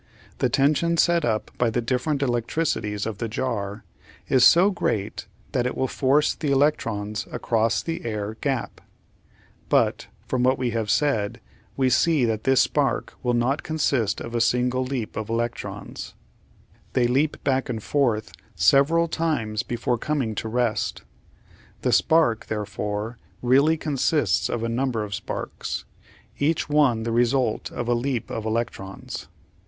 The tension set up by the different electricities of the jar is so great that it will force the electrons across the air gap. But, from what we have said, we see that this spark will not consist of a single leap 832 The Outline of Science . of electrons. They leap back and forth several times before com ing to rest. The spark, therefore, really consists of a number of sparks, each one the result of a leap of electrons.